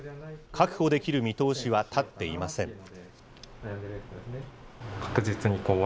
確保できる見通しは立っていません。